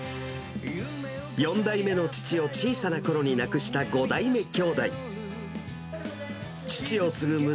４代目の父を小さなころに亡くした５代目きょうだい。